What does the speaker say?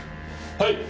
はい！